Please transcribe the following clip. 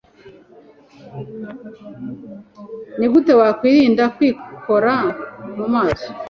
Ni gute wakwirinda kwikora mu maso